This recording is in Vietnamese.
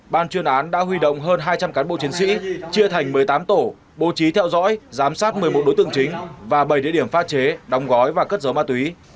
ban chuyên án đã huy động hơn hai trăm linh cán bộ chiến sĩ chia thành một mươi tám tổ bố trí theo dõi giám sát một mươi một đối tượng chính và bảy địa điểm pha chế đóng gói và cất dấu ma túy